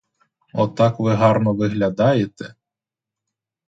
Отак ви гарно виглядаєте!